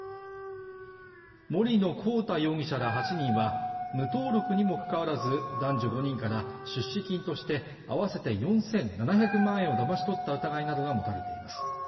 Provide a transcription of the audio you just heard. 森野広太容疑者ら８人は、無登録にもかかわらず男女５人から出資金として合わせて４７００万円をだまし取った疑いなどが持たれています。